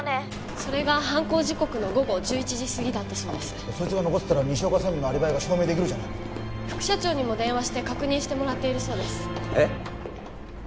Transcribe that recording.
それが犯行時刻の午後１１時すぎだったとそれが残ってたら専務のアリバイが証明できる副社長にも電話して確認してもらってるとえッ？